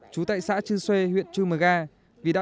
chú tại xã chư xê huyện chư mờ ga